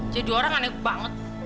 jadi orang aneh banget